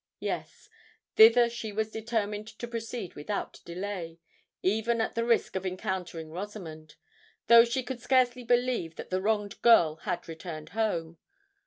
Yes—thither she was determined to proceed without delay, even at the risk of encountering Rosamond; though she could scarcely believe that the wronged girl had returned home.